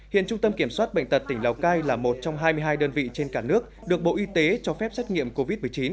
hiện trung tâm kiểm soát bệnh tật tỉnh lào cai là một trong hai mươi hai đơn vị trên cả nước được bộ y tế cho phép xét nghiệm covid một mươi chín